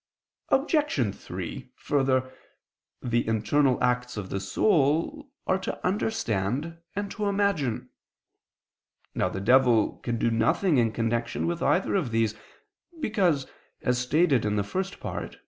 Obj. 3: Further, the internal acts of the soul are to understand and to imagine. Now the devil can do nothing in connection with either of these, because, as stated in the First Part (Q.